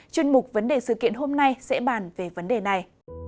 chuyên mục vấn đề sự kiện hôm nay sẽ bàn về vấn đề này